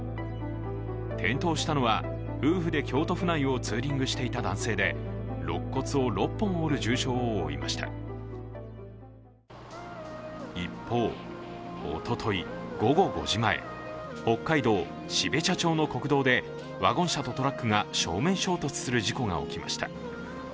転倒したのは夫婦で京都府内をツーリングしていた男性で、ろっ骨を６本折る重傷を負いました一方、おととい午後５時前、北海道標茶町の国道でワゴン車とトラックが正面衝突する事故が起きました。